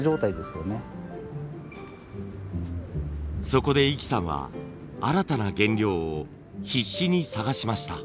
そこで壹岐さんは新たな原料を必死に探しました。